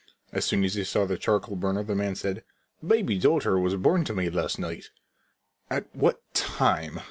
As soon as he saw the charcoal burner the man said: "A baby daughter was born to me last night." "At what time?"